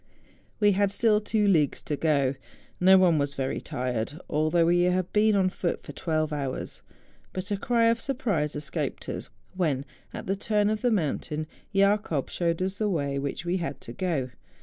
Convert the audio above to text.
We had still two leagues to go. No one was very tired, although we had been on foot for twelve hours; but a cry of surprise escaped us when, at the turn of the mountain, Jacob showed us the way up which we had to go.